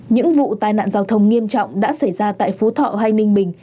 những vụ tai nạn giao thông nghiêm trọng đã xảy ra tại phú thọ hay ninh bình